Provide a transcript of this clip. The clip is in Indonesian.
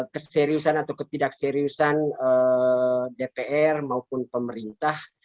keseriusan atau ketidakseriusan dpr maupun pemerintah